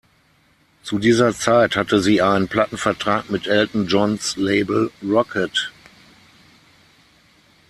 Zu dieser Zeit hatte sie einen Plattenvertrag mit Elton Johns Label „Rocket“.